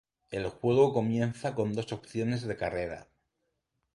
El juego comienza con dos opciones de carrera.